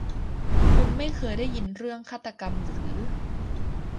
คุณไม่เคยได้ยินเรื่องฆาตกรรมหรือ